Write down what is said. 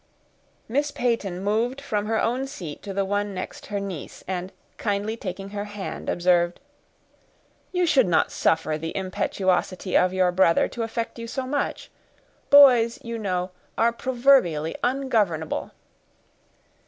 Miss Peyton moved from her own seat to the one next her niece, and, kindly taking her hand, observed, "You should not suffer the impetuosity of your brother to affect you so much; boys, you know, are proverbially ungovernable."